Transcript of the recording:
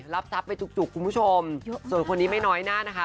รับทรัพย์ไปจุกคุณผู้ชมส่วนคนนี้ไม่น้อยหน้านะคะ